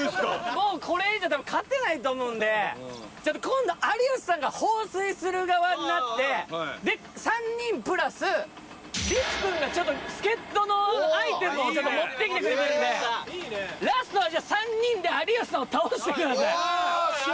もうこれ以上多分勝てないと思うんでちょっと今度有吉さんが放水する側になってで３人プラスりく君がちょっと助っ人のアイテムを持ってきてくれてるんで持ってまいりましたラストはじゃあ３人で有吉さんを倒してくださいよっしゃ！